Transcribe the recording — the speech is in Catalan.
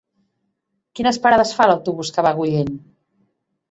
Quines parades fa l'autobús que va a Agullent?